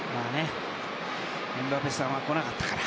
エムバペさんは来なかったから。